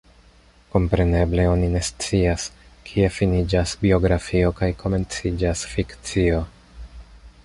Kompreneble oni ne scias, kie finiĝas biografio kaj komenciĝas fikcio.